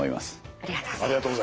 ありがとうございます。